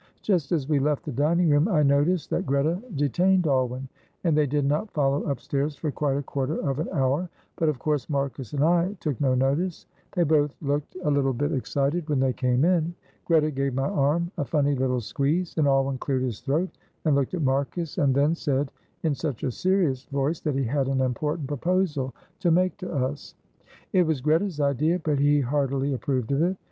Just as we left the dining room I noticed that Greta detained Alwyn, and they did not follow upstairs for quite a quarter of an hour, but of course Marcus and I took no notice. They both looked a little bit excited when they came in. Greta gave my arm a funny little squeeze, and Alwyn cleared his throat and looked at Marcus, and then said in such a serious voice that he had an important proposal to make to us. It was Greta's idea, but he heartily approved of it.